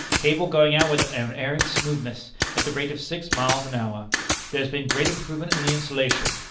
Cable going out with unerring smoothness, at the rate of six miles an hour. There has been great improvement in the insulation.